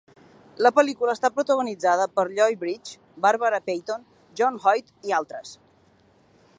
La pel·lícula està protagonitzada per Lloyd Bridges, Barbara Payton, John Hoyt i altres.